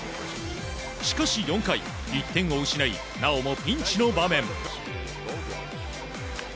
しかし、４回１点を失いなおもピンチの場面。